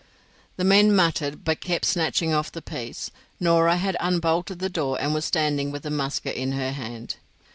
The men muttered, but kept snatching off the peas. Norah had unbolted the door, and was standing with the musket in her hand.